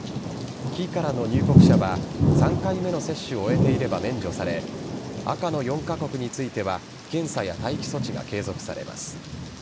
黄からの入国者は３回目の接種を終えていれば免除され赤の４カ国については検査や待機措置が継続されます。